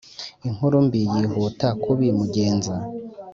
Inkurumbi yihuta kubi mugenza